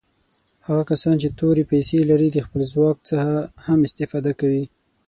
هغه کسان چې تورې پیسي لري د خپل ځواک څخه هم استفاده کوي.